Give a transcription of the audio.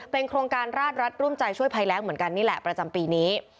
โครงการราชรัฐร่วมใจช่วยภัยแรงเหมือนกันนี่แหละประจำปีนี้